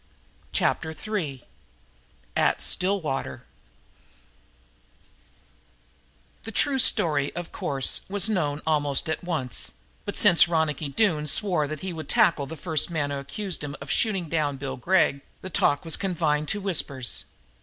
Chapter Three At Stillwater The true story was, of course, known almost at once, but, since Ronicky Doone swore that he would tackle the first man who accused him of having shot down Bill Gregg, the talk was confined to whispers.